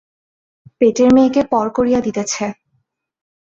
পেটের মেয়েকে পর করিয়া দিতেছে।